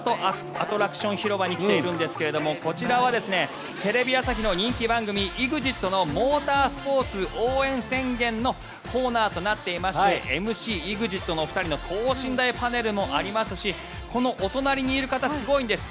アトラクション広場に来ているんですがこちらはテレビ朝日の人気番組「ＥＸＩＴのモータースポーツ応援宣言」のコーナーとなっていましてＭＣ、ＥＸＩＴのお二人の等身大パネルもありましてこのお隣にいる方すごいんです。